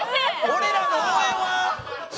俺らの応援は？